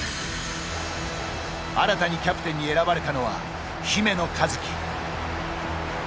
新たにキャプテンに選ばれたのは姫野和樹。